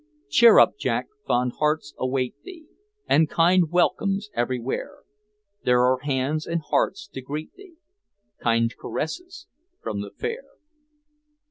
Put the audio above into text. Cheer up, Jack, fond hearts await thee, And kind welcomes everywhere; There are hands and hearts to greet thee, Kind caresses from the fair.